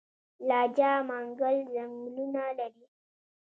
لجه منګل ځنګلونه لري؟